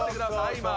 今。